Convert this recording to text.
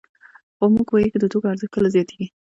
خو موږ پوهېږو د توکو ارزښت کله زیاتېږي